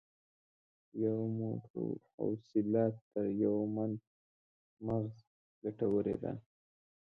یو موټ حوصله تر یو من مغز ګټوره ده.